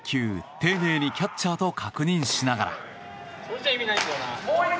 丁寧にキャッチャーと確認しながら。